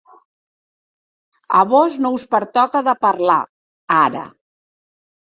A vós no us pertoca de parlar, ara.